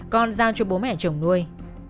con giao cho bố mẹ chồng nuôi